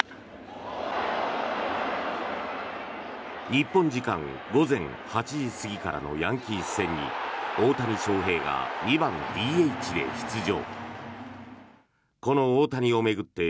日本時間午前８時過ぎからのヤンキース戦に大谷翔平が２番ＤＨで出場。